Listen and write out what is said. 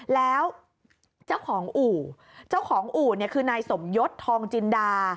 แล้วเจ้าของอู่คือนายสมยศทองจินดา